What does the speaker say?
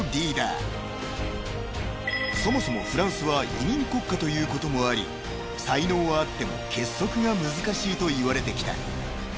［そもそもフランスは移民国家ということもあり才能はあっても結束が難しいといわれてきた］